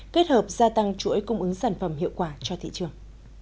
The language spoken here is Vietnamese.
kết hợp gia tăng chuỗi cung ứng sản phẩm hiệu quả cho thị trường